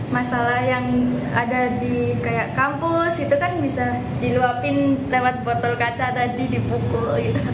masalah yang ada di kayak kampus gitu kan bisa diluapin lewat botol kaca tadi dipukul